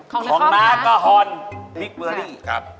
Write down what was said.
ของนากกะฮอนพริกเบอร์รี่ครับ